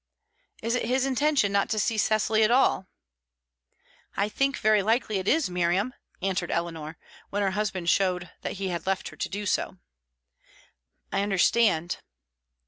"Is it his intention not to see Cecily at all?" "I think very likely it is, Miriam," answered Eleanor, when her husband showed that he left her to do so. "I understand."